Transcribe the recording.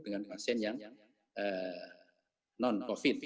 dengan pasien yang non covid